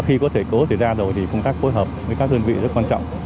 khi có thể cố xảy ra rồi thì công tác phối hợp với các dân vị rất quan trọng